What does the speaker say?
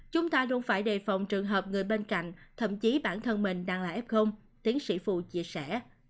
chúng ta luôn phải đề phòng trường hợp người bên cạnh thậm chí bản thân mình đang là f tiến sĩ phù chia sẻ